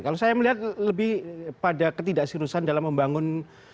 kalau saya melihat lebih pada ketidakseriusan dalam membangun